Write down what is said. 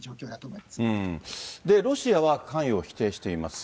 ロシアは関与を否定しています。